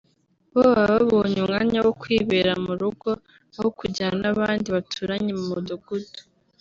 bo baba babonye umwanya wo kwibera mu rugo aho kwegerana n’abandi baturanye mu mudugudu